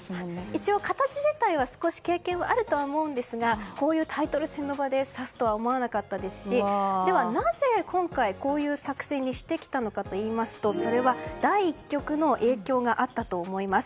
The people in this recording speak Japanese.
一応、形自体は少し、経験はあると思いますがこういうタイトル戦の場で指すとは思わなかったですしでは、なぜ今回こういう作戦にしてきたのかといいますとそれは第１局の影響があったと思います。